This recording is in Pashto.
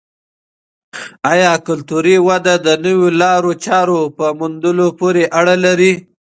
آیا کلتوري وده د نویو لارو چارو په موندلو پورې اړه لري؟